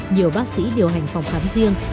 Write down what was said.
nhiều bác sĩ điều hành phòng khám riêng